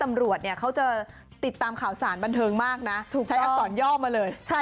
อันนี้รับบังคล